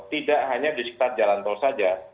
tidak hanya di sekitar jalan tol saja